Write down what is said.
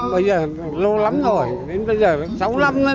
bây giờ lâu lắm rồi đến bây giờ xấu lắm